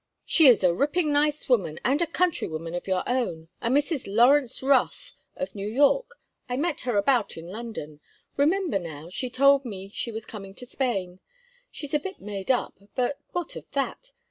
"She is a ripping nice woman, and a countrywoman of your own—a Mrs. Lawrence Rothe, of New York. I met her about in London. Remember, now, she told me she was coming to Spain. She's a bit made up, but what of that?